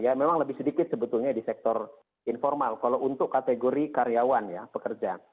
ya memang lebih sedikit sebetulnya di sektor informal kalau untuk kategori karyawan ya pekerja